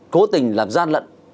cố tình làm gian lận